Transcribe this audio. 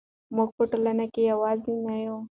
موږ په ټولنه کې یوازې نه یو.